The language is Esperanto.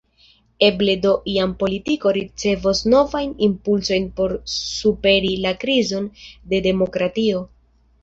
Eble do iam politiko ricevos novajn impulsojn por superi la krizon de demokratio.